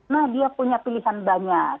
nah dia punya pilihan banyak